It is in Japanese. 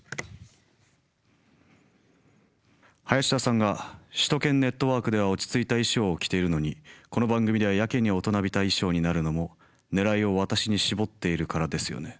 林田さんが「首都圏ネットワーク」では落ち着いた衣装を着ているのにこの番組ではやけに大人びた衣装になるのも狙いを私に絞っているからですよね。